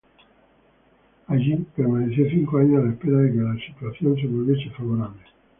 Allí permaneció cinco años a la espera de que la situación se volviese favorable.